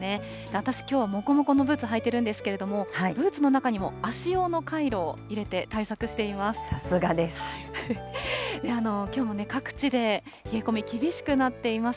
私、きょうはもこもこのブーツを履いているんですけれども、ブーツの中にも足用のカイロを入れて対策しています。